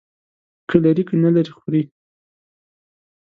که لري، که نه لري، خوري.